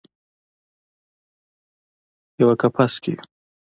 یوه کپس کې یو